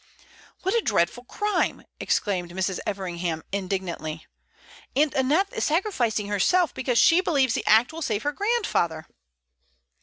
"What a dreadful crime!" exclaimed Mrs. Everingham, indignantly. "And Aneth is sacrificing herself because she believes the act will save her grandfather."